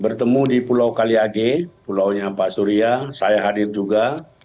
bertemu di pulau kaliange pulaunya pak surya saya hadir juga